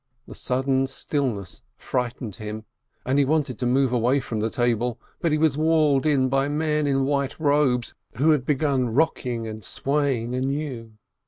The sudden stillness frightened him, and he wanted to move away from the table, but he was walled in by men in white robes, who had begun rocking and swaying anew.